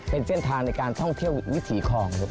เป็นเส้นทางในการท่องเที่ยววิถีคลอง